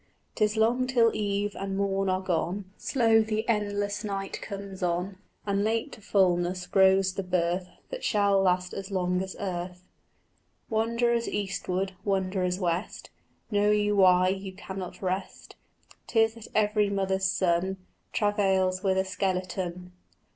" 'Tis long till eve and morn are gone: Slow the endless night comes on, And late to fulness grows the birth That shall last as long as earth." "Wanderers eastward, wanderers west, Know you why you cannot rest? 'Tis that every mother's son Travails with a skeleton."